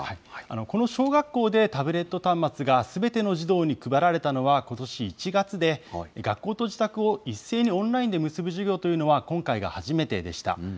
この小学校で、タブレット端末がすべての児童に配られたのはことし１月で、学校と自宅を一斉にオンラインで結ぶ授業というのは、今回が初めてでした。